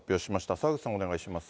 澤口さん、お願いします。